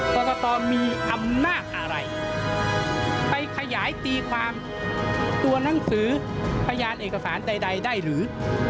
กรกตมีอำนาจอะไรไปขยายตีความตัวหนังสือพยานเอกสารใดได้หรือ